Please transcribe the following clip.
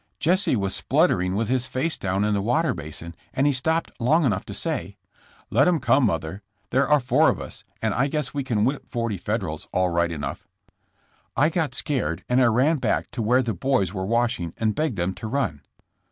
"Jesse was spluttering with his face down in the water basin and he stopped long enough to say: " 'Let 'em come, mother; there are four of us, and I guess we can whip forty Federals all right enough. ' S8 JESSa JAMES. *'I got scared and I ran back to where the boys were washing and begged them to run.